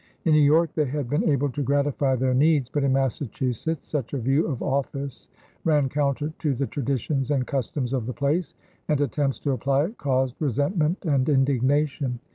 In New York they had been able to gratify their needs, but in Massachusetts such a view of office ran counter to the traditions and customs of the place, and attempts to apply it caused resentment and indignation.